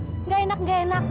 enggak enak enggak enak